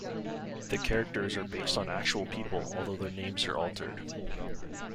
The characters are based on actual people although their names are altered.